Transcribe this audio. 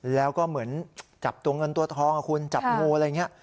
แล้วก็เหมือนจับตัวเงินตัวทองคุณจับงูอะไรอย่างนี้